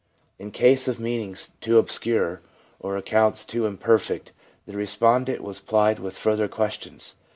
In case of meanings too obscure, or accounts too im perfect, the respondent was plyed with further questions.